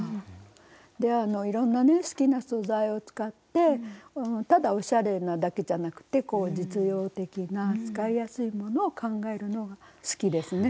でいろんなね好きな素材を使ってただおしゃれなだけじゃなくて実用的な使いやすいものを考えるのが好きですね。